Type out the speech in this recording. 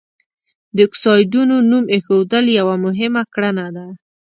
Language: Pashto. د اکسایډونو نوم ایښودل یوه مهمه کړنه ده.